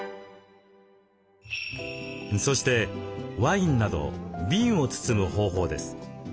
そしてワインなど瓶を包む方法です。